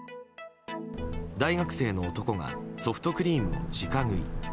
大学生の男がソフトクリームを直食い。